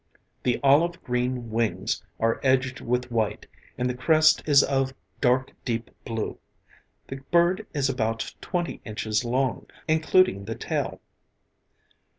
The olive green wings are edged with white, and the crest is of dark, deep blue. The bird is about twenty inches long, including the tail.